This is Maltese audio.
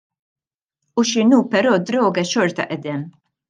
Hu x'inhu però d-droga xorta qiegħda hemm.